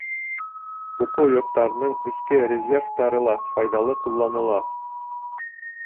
Уҡыу йорттарының эске резервтары ла файҙалы ҡулланыла.